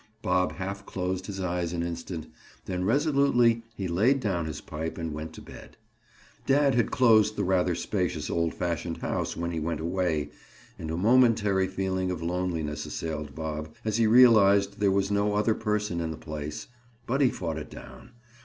Bob half closed his eyes an instant, then resolutely he laid down his pipe and went to bed. Dad had closed the rather spacious old fashioned house when he went away, and a momentary feeling of loneliness assailed Bob, as he realized there was no other person in the place, but he fought it down.